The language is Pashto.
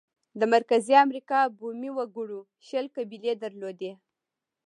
د مرکزي امریکا بومي وګړو شل قبیلې درلودې.